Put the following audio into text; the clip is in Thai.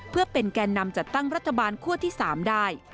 เพื่อเป็นแก่นำจัดตั้งรัฐบาลคั่วที่๓ได้